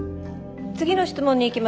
次の質問にいきます。